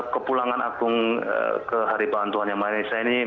kepulangan agung ke haribahan tuhan yang maha nisa ini